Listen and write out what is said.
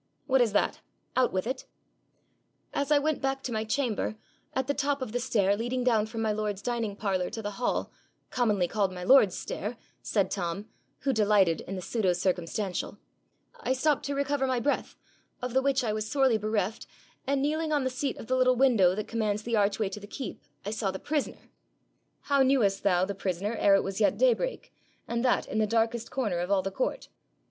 'What is that? Out with it.' 'As I went back to my chamber, at the top of the stair leading down from my lord's dining parlour to the hall, commonly called my lord's stair,' said Tom, who delighted in the pseudo circumstantial, 'I stopped to recover my breath, of the which I was sorely bereft, and kneeling on the seat of the little window that commands the archway to the keep, I saw the prisoner ' 'How knewest thou the prisoner ere it was yet daybreak, and that in the darkest corner of all the court?'